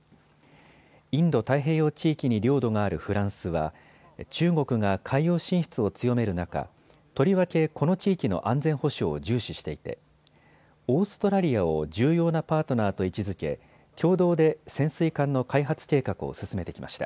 インド太平洋地域に領土があるフランスは中国が海洋進出を強める中、とりわけこの地域の安全保障を重視していてオーストラリアを重要なパートナーと位置づけ共同で潜水艦の開発計画を進めてきました。